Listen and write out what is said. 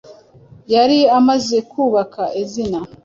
yari amaze kubaka izina